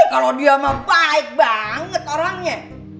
kalau dia mah baik banget orangnya